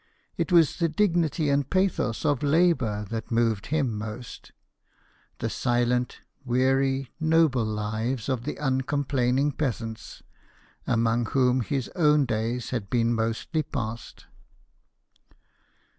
It was the dignity and pathos of labour that moved him most; the silent, weary, noble lives of the uncomplaining peasants, amongst whom his own days had been mostly pas sed.